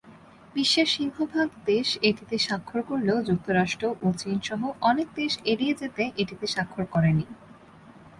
বিশ্বের সিংহভাগ দেশ এটিতে স্বাক্ষর করলেও যুক্তরাষ্ট্র ও চীন সহ অনেক দেশ এড়িয়ে যেতে এটিতে স্বাক্ষর করেনি।